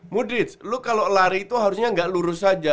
mudid lo kalau lari itu harusnya gak lurus aja